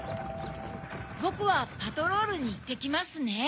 ボクはパトロールにいってきますね。